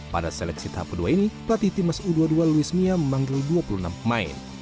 pada seleksi tahap kedua ini pelatih timnas u dua puluh dua louis mia memanggil dua puluh enam pemain